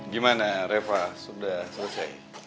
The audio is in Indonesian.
gimana reva sudah selesai